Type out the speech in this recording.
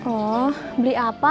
oh beli apa